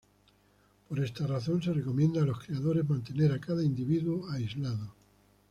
Por esta razón, se recomienda a los criadores mantener a cada individuo aislado.